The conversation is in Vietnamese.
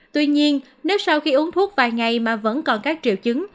tuy nhiên nếu sau khi uống thuốc vài ngày mà vẫn còn các triệu chứng